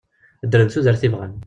Ddren tudert i bɣan.